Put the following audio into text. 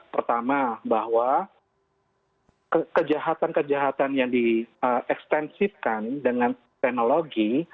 pertama bahwa kejahatan kejahatan yang diekstensifkan dengan teknologi